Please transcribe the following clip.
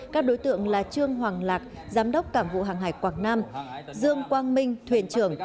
các đối tượng là trương hoàng lạc giám đốc cảng vụ hàng hải quảng nam dương quang minh thuyền trưởng